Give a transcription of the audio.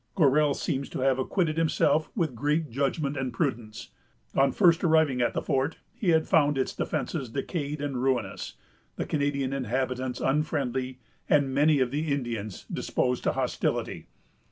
Gorell seems to have acquitted himself with great judgment and prudence. On first arriving at the fort, he had found its defences decayed and ruinous, the Canadian inhabitants unfriendly, and many of the Indians disposed to hostility.